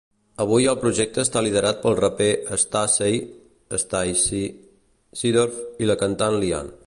Avui el projecte està liderat pel raper Stacey "Stay-C" Seedorf i la cantant Li Ann.